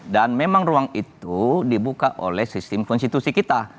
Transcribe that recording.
dan memang ruang itu dibuka oleh sistem konstitusi kita